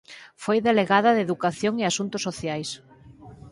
Foi delegada de Educación e Asuntos Sociais.